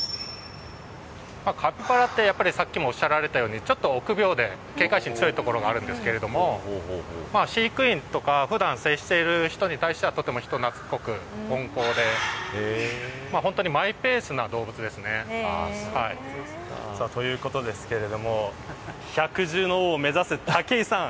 カピバラって、さっきもおっしゃられたようにちょっと臆病で警戒心が強いところがあるんですけど飼育員とか普段接している人に対してはとても人懐っこく温厚で本当にマイペースな動物ですね。ということですけれども百獣の王を目指す、武井さん